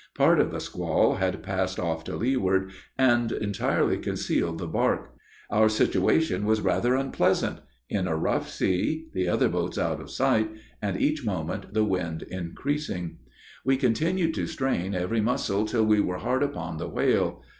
Part of the squall had passed off to leeward, and entirely concealed the barque. Our situation was rather unpleasant: in a rough sea, the other boats out of sight, and each moment the wind increasing. We continued to strain every muscle till we were hard upon the whale.